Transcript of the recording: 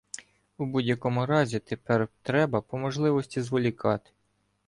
У будь-якому разі тепер треба по можливості зволікати.